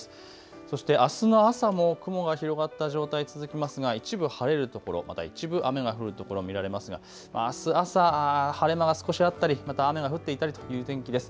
そして、あすの朝も雲が広がった状態、続きますが一部晴れる所、また一部雨が降るところ見られますがあす朝、晴れ間は少しあったり、また雨が降っていたりという天気です。